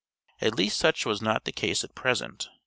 At least such was not the case at present.